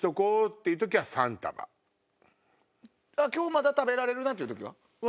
「今日まだ食べられるな」っていう時は？